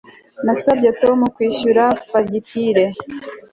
Nasabye Tom kwishyura fagitire